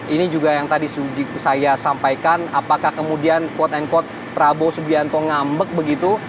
ini juga yang tadi saya sampaikan apakah kemudian quote unquote prabowo subianto ngambek begitu